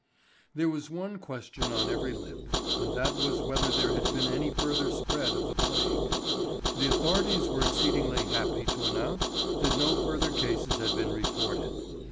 There was one question on every lip, and that was whether there had been any further spread of the plague. The authorities were exceedingly happy to announce that no further cases had been reported.